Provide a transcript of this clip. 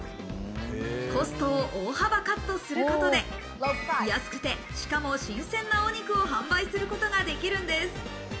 コストを大幅カットすることで安くて、しかも新鮮なお肉を販売することができるんです。